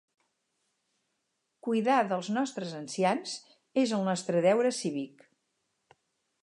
Cuidar dels nostres ancians és el nostre deure cívic.